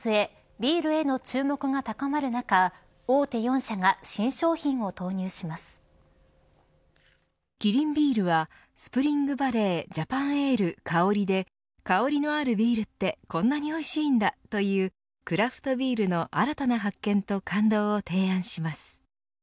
ビールへの注目が高まる中キリンビールはＳＰＲＩＮＧＶＡＬＬＥＹＪＡＰＡＮＡＬＥ香で香りのあるビールってこんなにおいしいんだというクラフトビールの新たな発見と感動を提案します。